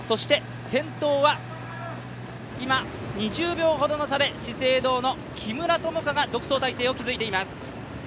先頭は今、２０秒ほどの差で資生堂の木村友香が独走態勢を築いています。